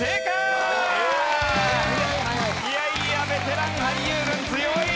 いやいやベテラン俳優軍強い！